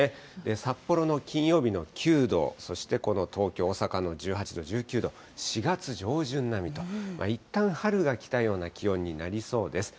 札幌の金曜日の９度、そしてこの東京、大阪の１８度、１９度、４月上旬並みと、いったん春が来たような気温になりそうです。